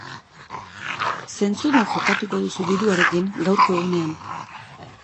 Zentzudun jokatuko duzu diruarekin gaurko egunean.